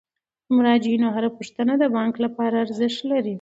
د مراجعینو هره پوښتنه د بانک لپاره ارزښت لري.